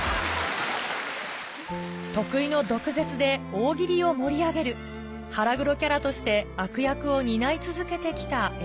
得意の毒舌で大喜利を盛り上げる、腹黒キャラとして悪役を担